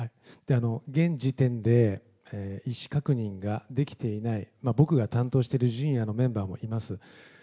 現時点で意志確認ができていない、僕が担当しているジュニアのメンバーもいます。